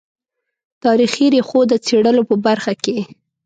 تاریخي ریښو د څېړلو په برخه کې.